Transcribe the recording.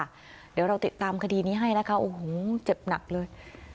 เดี๋ยวเราติดตามคดีนี้ให้นะคะโอ้โหเจ็บหนักเลย